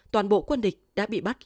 toàn bộ quân địch đã bị bắt